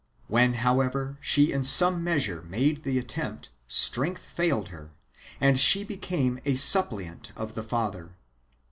When, however, she in some measure made the attempt, strength failed her, and she became a suppliant of the Father.